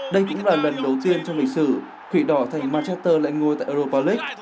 đây cũng là lần đầu tiên trong lịch sử quỷ đỏ thành manchester lại ngồi tại europa league